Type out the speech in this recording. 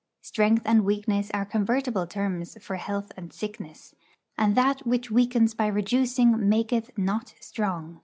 Strength and weakness are convertible terms for health and sickness; and that which weakens by reducing maketh not strong.